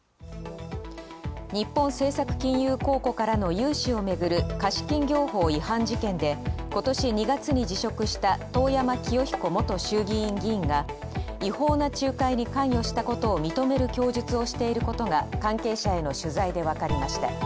日本政策金融公庫からの融資をめぐる賃金業法違反事件で今年２月に辞職した、遠山清彦元衆議院議員が違法な仲介に関与したことを認める供述をしていることが関係者への取材でわかりました。